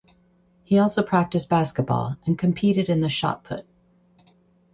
He also practiced basketball and competed in the shot put.